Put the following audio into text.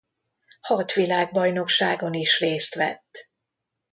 Hat világbajnokságon is részt vett.